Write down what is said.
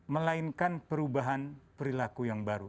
melainkan perubahan perilaku yang baru